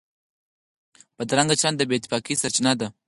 بدرنګه چلند د بې اتفاقۍ سرچینه ده